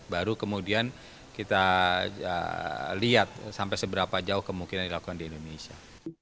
baru kemudian kita lihat sampai seberapa jauh kemungkinan dilakukan di indonesia